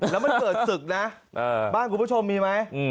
แล้วมันเกิดศึกนะบ้านคุณผู้ชมมีไหม